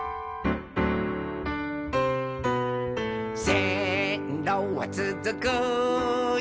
「せんろはつづくよ